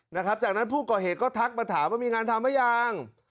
นะครับจากนั้นผู้ก่อเหตุก็ทักมาถามว่ามีงานทำหรือยัง